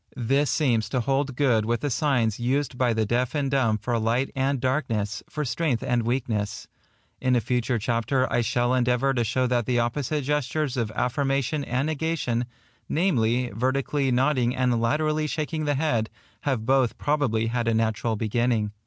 This seems to hold good with the signs used by the deal and dumb for light and darkness, for strength and weakness, &c. In a future chapter I shall endeavour to show that the opposite gestures of affirmation and negation, namely, vertically nodding and laterally shaking the head, have both probably had a natural beginning.